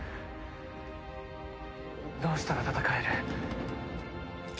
どうしたら戦える？